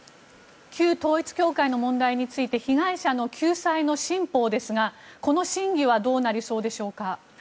旧統一教会の問題について被害者の救済の新法ですが、この審議はどうなりそうでしょうか。